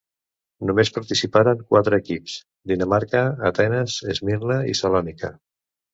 Només participaren quatre equips, Dinamarca, Atenes, Esmirna i Salònica.